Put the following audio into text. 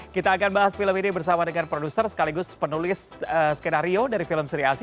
kita akan bahas film ini bersama dengan produser sekaligus penulis skenario dari film sri asi